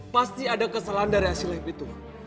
pasti ada kesalahan dari hasil lift itu